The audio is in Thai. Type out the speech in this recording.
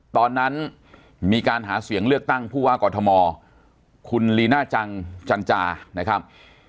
ตอนนั้นมีการหาเสียงเลือกตั้งผู้ว่ากอทมคุณลีน่าจังจันจานะครับ